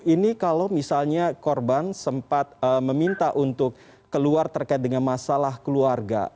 ini kalau misalnya korban sempat meminta untuk keluar terkait dengan masalah keluarga